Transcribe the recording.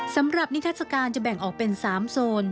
สำหรับนิทัศกาลจะแบ่งออกเป็น๓โซน